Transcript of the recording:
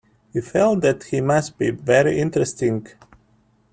We felt that he must be very interesting.